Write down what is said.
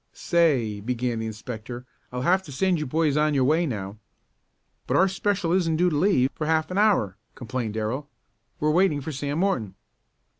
"Say," began the inspector, "I'll have to send you boys on your way now." "But our special isn't due to leave for half an hour," complained Darrell. "We're waiting for Sam Morton."